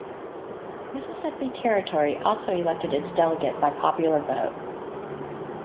Mississippi Territory also elected its delegate by popular vote.